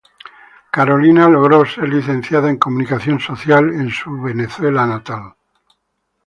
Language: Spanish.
Carolina logró ser Licenciada en comunicación social en su natal Venezuela.